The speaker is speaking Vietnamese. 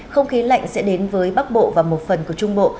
không khí lạnh sẽ đến với bắc bộ và một phần của trung bộ